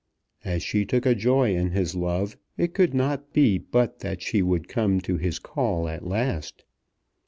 As she took a joy in his love it could not be but that she would come to his call at last.